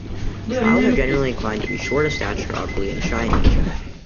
Trows are generally inclined to be short of stature, ugly, and shy in nature.